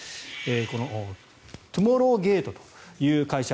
このトゥモローゲートという会社